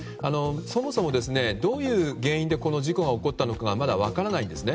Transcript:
そもそもどういう原因でこの事故が起こったのかがまだ分からないんです。